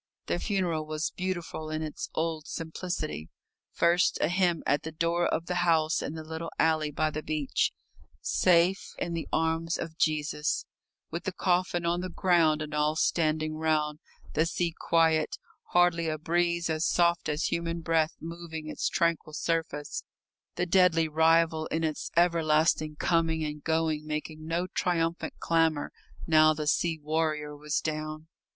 The funeral was beautiful in its old simplicity. First a hymn at the door of the house in the little alley by the beach, "Safe in the arms of Jesus," with the coffin on the ground and all standing round; the sea quiet, hardly a breeze as soft as human breath moving its tranquil surface; the deadly rival in its everlasting coming and going making no triumphant clamour now the sea warrior was down.